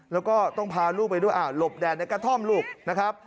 แล้วก็ต้องพาลูกไปด้วยหลบแดดในกระท่อมลูกนะครับ